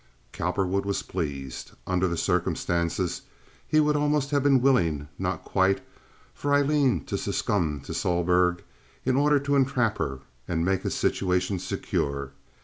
Cowperwood was pleased. Under the circumstances he would almost have been willing—not quite—for Aileen to succumb to Sohlberg in order to entrap her and make his situation secure.